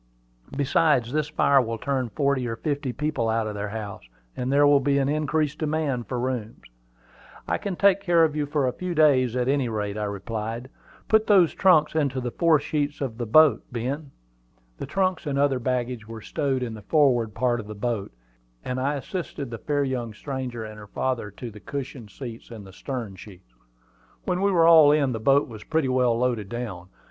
Besides, this fire will turn forty or fifty people out of their house, and there will be an increased demand for rooms." "I can take care of you for a few days, at any rate," I replied. "Put those trunks into the fore sheets of the boat, Ben." The trunks and the other baggage were stowed in the forward part of the boat, and I assisted the fair stranger and her father to the cushioned seats in the stern sheets. When we were all in, the boat was pretty well loaded down.